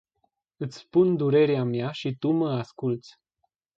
Iti spun durerea mea si tu ma asculti.